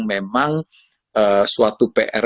memang suatu pr